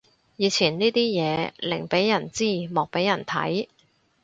以前呢啲嘢寧俾人知莫俾人見